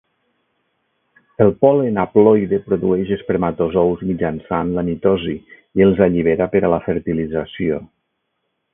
El pol·len haploide produeix espermatozous mitjançant la mitosi i els allibera per a la fertilització.